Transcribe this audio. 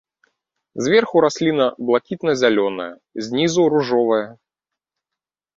Зверху расліна блакітна-зялёная, знізу ружовая.